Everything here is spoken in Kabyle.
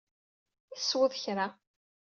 I tesweḍ kra?